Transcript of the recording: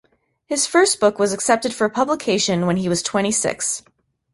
His first book was accepted for publication when he was twenty-six.